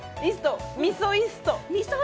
みそイスト。